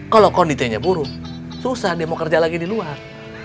kalau kondisinya buruk susah dia mau kerja lagi di luar